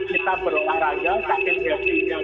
kita berolahraga sakit geng